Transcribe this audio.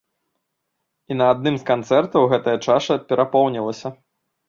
І на адным з канцэртаў гэтая чаша перапоўнілася.